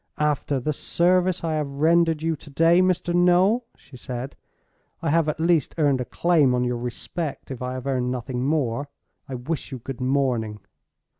"After the service I have rendered you to day, Mr. Noel," she said, "I have at least earned a claim on your respect, if I have earned nothing more. I wish you good morning."